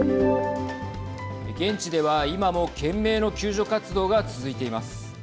現地では今も懸命の救助活動が続いています。